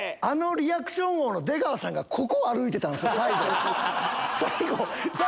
あのリアクション王の出川さんがここを歩いてたんすよ最後。